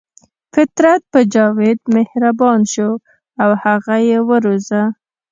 فطرت په جاوید مهربان شو او هغه یې وروزه